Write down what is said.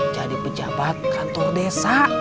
jadi pejabat kantor desa